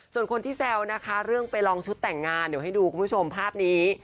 ส่วนคนที่แซวนะคะเรื่องไปลองชุดแต่งงานเดี๋ยวให้ดูคุณผู้ชมภาพนี้